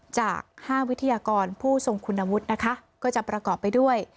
จาก๕วิทยากรผู้ทรงคุณวุฒินะคะก็จะประกอบไปด้วย